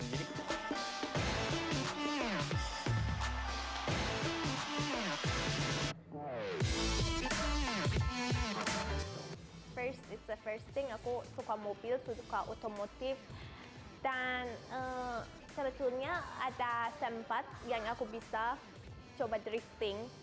first is the first thing aku suka mobil aku suka otomotif dan sebetulnya ada sempat yang aku bisa coba drifting